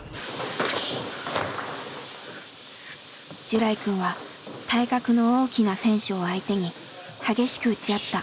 ジュライくんは体格の大きな選手を相手に激しく打ち合った。